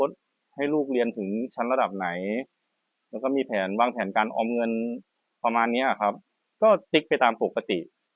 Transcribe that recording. ติ๊กประมาณนี้ไปตามปกติ